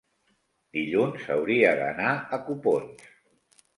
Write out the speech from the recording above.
dilluns hauria d'anar a Copons.